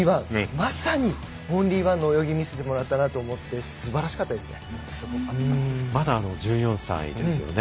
まさに、オンリーワンの泳ぎ見せてもらったなと思ってまだ１４歳ですよね。